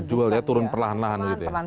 jual ya turun perlahan lahan gitu ya